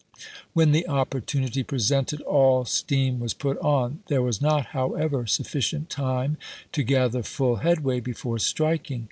When the opportunity presented aU steam was put on ; there was not, however, suf ficient time to gather full headway before striking.